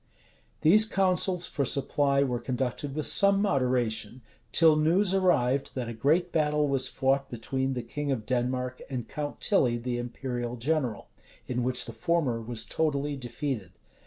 These counsels for supply were conducted with some moderation; till news arrived, that a great battle was fought between the king of Denmark and Count Tilly, the imperial general; in which the former was totally defeated.